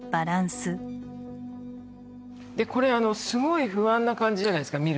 これすごい不安な感じじゃないですか